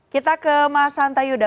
kita ke mas santayuda